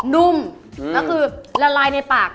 นุ่มแล้วคือละลายในปาก